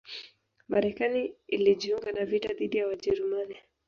Marekani ilijiunga na vita dhidi ya Wajerumani